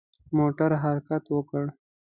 موټر حرکت وکړ.